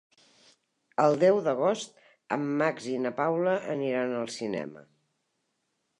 El deu d'agost en Max i na Paula aniran al cinema.